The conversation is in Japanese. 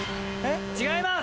違います！